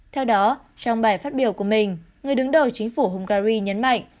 theo đó trong bài phát biểu của mình người đứng đầu chính phủ hungary nhấn mạnh